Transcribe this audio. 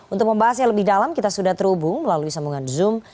untuk membahasnya lebih dalam kita sudah terhubung melalui sambungan zoom